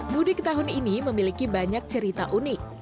mudik tahun ini memiliki banyak cerita unik